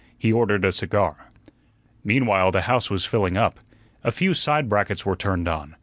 He ordered a cigar. Meanwhile the house was filling up. A few side brackets were turned on.